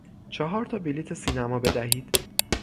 چهارتا بلیط سینما بدهید.